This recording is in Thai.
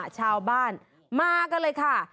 ชาวบ้านมากันเลยค่ะ